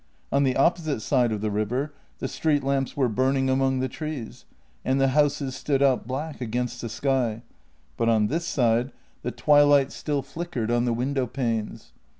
On the opposite side of the river the street lamps were burning among the trees, and the houses stood out black against the sky, but on this side the twilight still flickered 12 JENNY on the window panes.